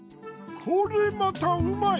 これまたうまい！